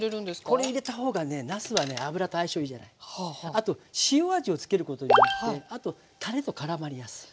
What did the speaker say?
あと塩味をつけることによってあとたれとからまりやすい。